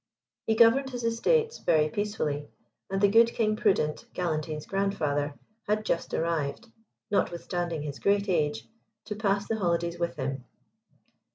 He governed his estates very peacefully, and the good King Prudent, Galantine's grandfather, had just arrived, notwithstanding his great age, to pass the holidays with him.